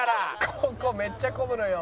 「ここめっちゃ混むのよ」